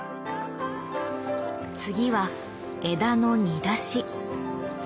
次は枝の煮出し。